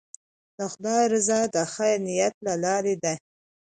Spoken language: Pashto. د خدای رضا د خیر نیت له لارې ده.